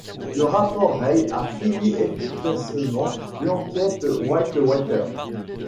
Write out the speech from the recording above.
Le rapport Ray a fini efficacement l'enquête Whitewater.